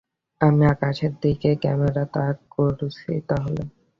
আমি আকাশের দিকে ক্যামেরা তাক করছি তাহলে।